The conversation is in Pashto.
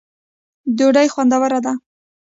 ډوډۍ خوندوره ده.